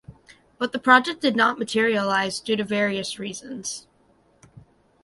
But the project did not materialise due to various reasons.